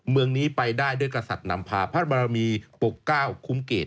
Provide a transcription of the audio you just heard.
เมืองนี้ไปได้ด้วยกษัตริย์นำพาพระบรมีปกเก้าคุ้มเกต